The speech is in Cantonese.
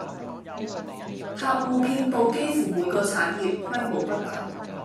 客戶遍佈幾乎每個產業，規模不等